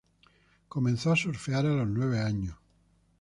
Comenzó a surfear a los nueve años.